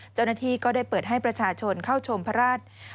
เจ้าหน้าที่ก็ได้เปิดให้ประชาชนเข้าชมพระราช